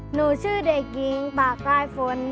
หนูชื่อเด็กหญิงปากใต้ฝน